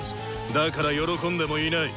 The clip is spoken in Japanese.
だから喜んでもいない！